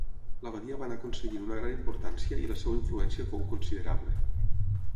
L'abadia va anar aconseguint una gran importància i la seva influència fou considerable.